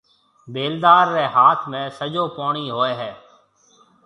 بيلدار ريَ هاٿ ۾ سجو پوڻِي هوئي هيَ۔